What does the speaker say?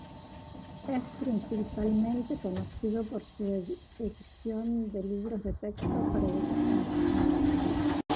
Es principalmente conocido por su edición de libros de texto para educación secundaria.